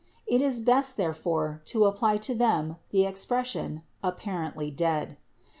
It is best, therefore, to apply to them the expression 'apparently dead.'